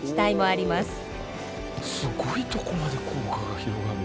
すごいとこまで効果が広がる。